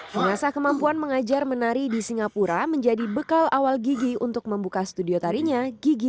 mengasah kemampuan mengajar menari di singapura menjadi bekal awal gigi untuk membuka studio tarinya gigi